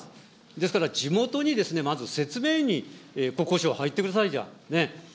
ですから地元にまず説明に国交省、入ってください、じゃあ。